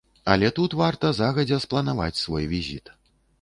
Але тут варта загадзя спланаваць свой візіт.